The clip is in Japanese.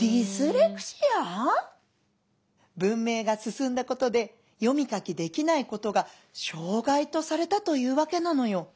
「文明が進んだことで読み書きできないことが障害とされたというわけなのよ」。